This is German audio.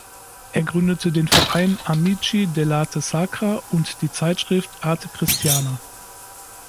Er gründete den Verein "Amici dell’Arte Sacra" und die Zeitschrift "Arte cristiana".